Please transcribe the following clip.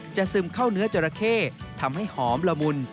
ซึมเข้าเนื้อจราเข้ทำให้หอมละมุน